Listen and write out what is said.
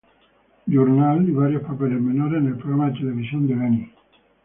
Journal" y varios papeles menores en el programa de televisión de Benny.